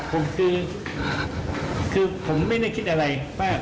ผมคือผมไม่ได้คิดอะไรมาก